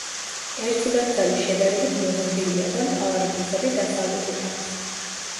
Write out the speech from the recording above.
ერთი მათგანი შედარებით მოზრდილია და მთავარი ფასადი დასავლეთით აქვს.